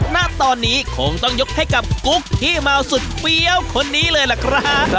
ณตอนนี้คงต้องยกให้กับกุ๊กขี้เมาสุดเฟี้ยวคนนี้เลยล่ะครับ